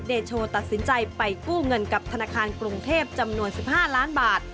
โชตัดสินใจไปกู้เงินกับธนาคารกรุงเทพจำนวน๑๕ล้านบาท